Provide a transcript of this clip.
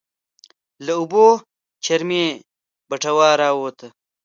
له اوبو چرمي بټوه راووته.